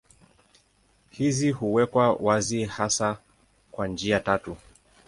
Hizi huwekwa wazi hasa kwa njia tatu.